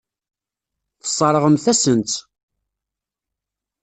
Tesseṛɣemt-asen-tt.